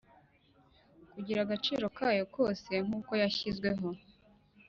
kugira agaciro kayo kose nk uko yashyizweho